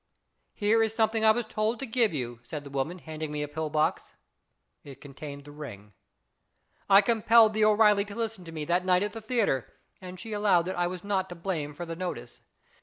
4 Here is something I was told to give you,' said the woman, handing me a pill box. It contained the ring! I compelled the O'Reilly to listen to me that night at the theatre, and she allowed that I was not to blame for the notice.